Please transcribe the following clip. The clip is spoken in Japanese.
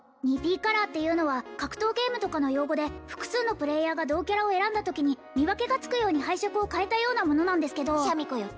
２Ｐカラーっていうのは格闘ゲームとかの用語で複数のプレイヤーが同キャラを選んだときに見分けがつくように配色を変えたようなものなんですけどシャミ子よ